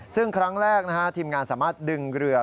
ซึ่งครั้งแรกทีมงานสามารถดึงเรือ